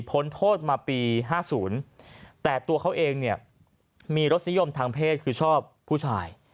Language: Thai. พ้นโทษมาปี๕๐แต่ตัวเขาเองเนี่ยมีรสนิยมทางเพศคือชอบผู้ชาย